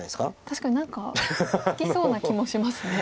確かに何かつきそうな気もしますね。